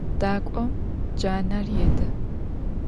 Дакӏом джанэр еды.